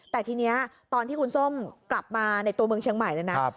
แต่ทีนี้ตอนที่คุณส้มกลับมาในตัวเมืองเชียงใหม่เลยนะ